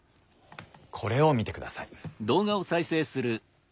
これを見てください。